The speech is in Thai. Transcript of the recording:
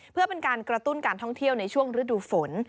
เพื่อเป็นการกระตุ้นการท่องเที่ยวในช่วงฤดูฝน